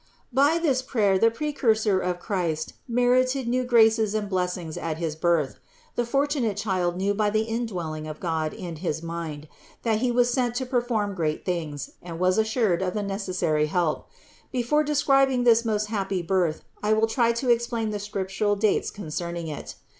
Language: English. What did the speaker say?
272. By this prayer the Precursor of Christ merited new graces and blessings at his birth. The fortunate child knew by the indwelling of God in his mind, that he was sent to perform great things and was assured of the necessary help. Before describing this most happy birth, I will try to explain the scriptural dates concerning it.